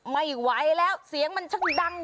ไม่ไหวแล้วเสียงมันช่างดัง